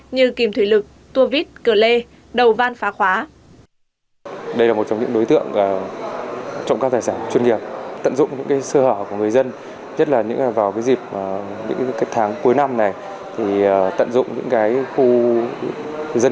như kìm thủy lực tua vít cửa lê đầu van phá khóa